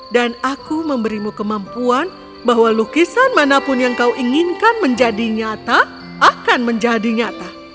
dan aku memberimu kemampuan bahwa lukisan manapun yang kau inginkan menjadi nyata akan menjadi nyata